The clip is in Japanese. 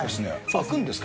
開くんですか？